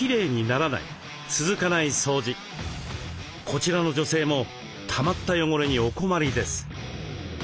こちらの女性もたまった汚れにお困りです。